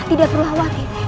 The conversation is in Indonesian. tidak perlu khawatir